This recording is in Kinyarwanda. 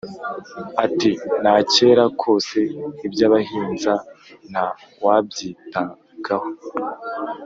ati: “na cyera kose iby’abahinza nta wabyitagaho.